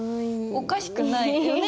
おかしくないよね。